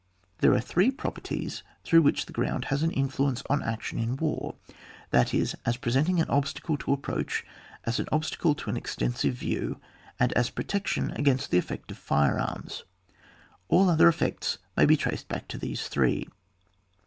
There are three properties through which the ground has an influence on action in war ; that is. as presenting an obstacle to approach, as an obstacle to an extensive view, and as protection against the effect of fire arms ; all other effects may be traced back to these three.